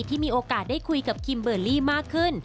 ที่มีโอกาสได้คุยกับคิมเบอร์รี่มากขึ้น